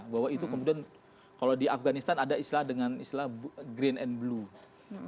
bahwa itu kemudian kalau di afganistan ada istilah dengan istilah green and blue